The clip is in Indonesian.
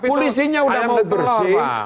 polisinya udah mau bersih